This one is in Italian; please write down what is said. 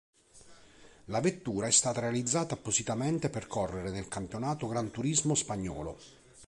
La vettura è stata realizzata appositamente per correre nel campionato Gran Turismo spagnolo.